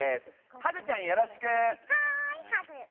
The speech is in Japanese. ハグちゃん、よろしく！